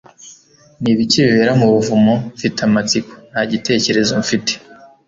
ni ibiki bibera mu buvumo? mfite amatsiko. nta gitekerezo mfite